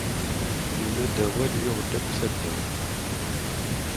Yenna-d awal, yuɣ-d akk taddart.